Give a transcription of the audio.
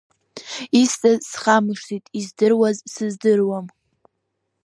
Исҵаз схамышҭит издыруаз сыздыруам.